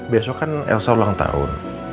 besok kan elsa ulang tahun